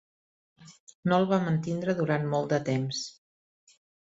No el va mantindre durant molt de temps.